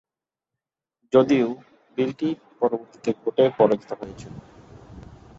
যদিও বিলটি পরবর্তীতে ভোটে পরাজিত হয়েছিল।